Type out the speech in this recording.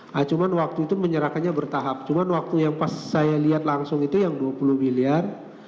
nah cuma waktu itu menyerahkannya bertahap cuma waktu yang pas saya lihat langsung itu yang dua puluh miliar